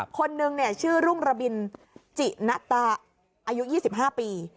คนนึงชื่อรุ่งระบินจินะตาอายุ๒๕ปี